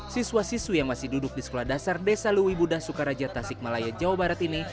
siswa siswi yang masih duduk di sekolah dasar desa lui budah sukaraja tasikmalaya jawa barat ini